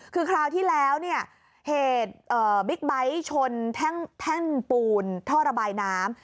คือคราวที่แล้วเนี่ยเหตุบิ๊กไบท์ชนแท่งปูนท่อระบายน้ำ